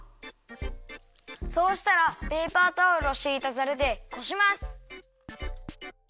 そうしたらペーパータオルをしいたざるでこします。